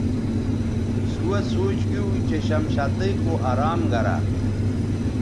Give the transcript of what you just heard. سوہسوچ گیو چہ شمشتئ کو ارام گرہ